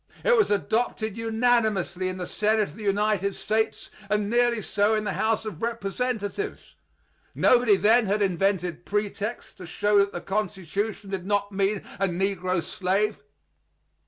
It was adopted unanimously in the Senate of the United States, and nearly so in the House of Representatives. Nobody then had invented pretexts to show that the Constitution did not mean a negro slave.